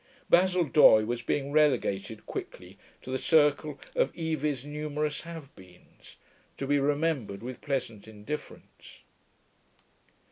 Basil Doye was being relegated quickly to the circle of Evie's numerous have beens, to be remembered with pleasant indifference.